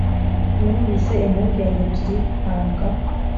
Numvise impungenge ebyiri mpanga